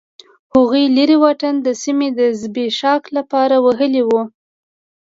هغوی لرې واټن د سیمې د زبېښاک لپاره وهلی و.